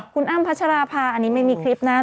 คุณอ้ำพัชราภาอันนี้ไม่มีคลิปนะ